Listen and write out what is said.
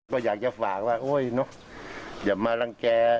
ก็อยากจะฝากว่าอย่ามารังแก่